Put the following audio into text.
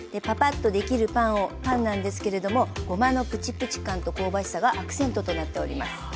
パパッとできるパンなんですけれどもごまのプチプチ感と香ばしさがアクセントとなっております。